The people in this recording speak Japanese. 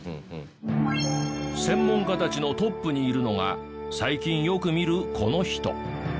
専門家たちのトップにいるのが最近よく見るこの人。